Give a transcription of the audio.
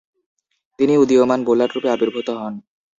তিনি উদীয়মান বোলাররূপে আবির্ভূত হন।